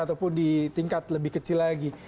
ataupun di tingkat lebih kecil lagi